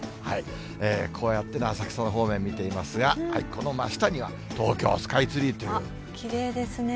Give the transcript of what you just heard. こうやって浅草の方面見ていますが、この真下には東京スカイツリきれいですね。